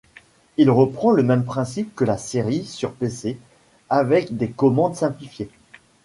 Il reprend le même principe que la série sur pc avec des commandes simplifiées.